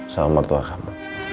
salam buat nino